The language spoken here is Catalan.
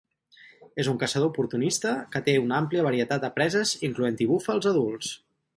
És un caçador oportunista que té una àmplia varietat de preses, incloent-hi búfals adults.